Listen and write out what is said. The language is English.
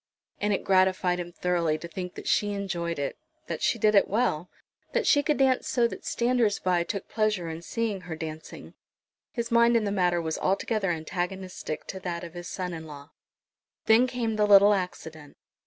And it gratified him thoroughly to think that she enjoyed it, that she did it well, that she could dance so that standers by took pleasure in seeing her dancing. His mind in the matter was altogether antagonistic to that of his son in law. Then came the little accident.